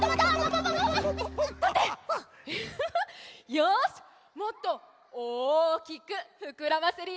よしもっとおおきくふくらませるよ！